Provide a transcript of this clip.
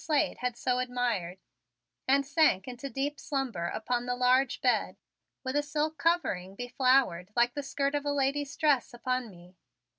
Slade had so admired, and sank into deep slumber upon the large bed with a silk covering beflowered like the skirt of a lady's dress upon me.